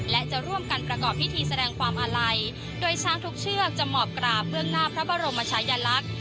และจะร่วมกันประกอบพิธีแสดงความอาลัยโดยช้างทุกเชือกจะหมอบกราบเบื้องหน้าพระบรมชายลักษณ์